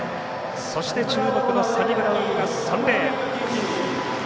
そして注目のサニブラウンが３レーン。